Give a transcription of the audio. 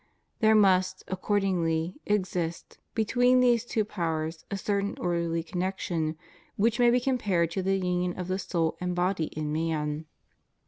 There must, accordingly, exist, between these two powers, a certain orderly connection, which may be compared to the union of the soul and body in man.